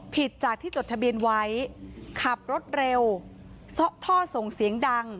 ผิดจากที่จดทะเบียนไว้ขับรถเร็วซ่อท่อส่งเสียงดัง